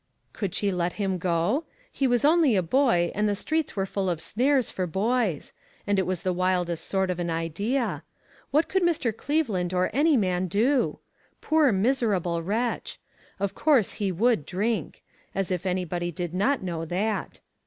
Could she let him go? He was only a boy, and the streets were full of snares for boys ; and it was the wildest sorfc of an 464 ONE COMMONPLACE DAY. idea. What could Mr. Cleveland or any man do? Poor, miserable wretch! Of course, he would drink. As if everybody did not know that.